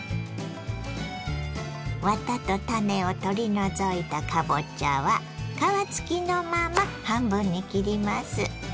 ワタと種を取り除いたかぼちゃは皮付きのまま半分に切ります。